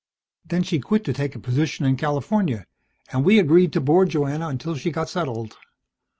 Then she quit to take a position in California, and we agreed to board Joanna until she got settled.